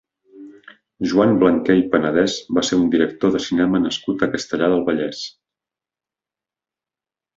Joan Blanquer i Panadès va ser un director de cinema nascut a Castellar del Vallès.